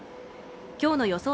きょうの予想